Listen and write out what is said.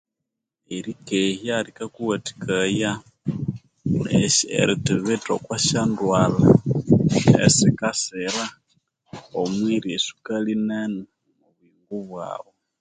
Erikehya likakuwathikaya erithibitha okwa syandwalha esikasira omwirya esukali nene omwa buyingo bwaghu.